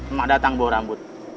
emak datang bawa rambut